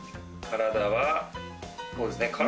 体はこうですね。